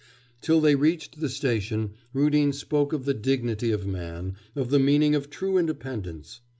Till they reached the station Rudin spoke of the dignity of man, of the meaning of true independence.